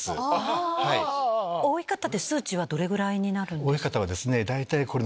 多い方で数値はどれぐらいになるんですか？